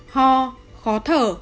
ho khó thở